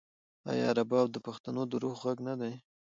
آیا رباب د پښتنو د روح غږ نه دی؟